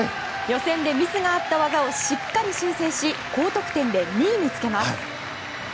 予選でミスがあった技をしっかり修正し高得点で２位につけます。